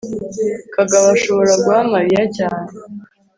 kagabo ashobora guha mariya cyane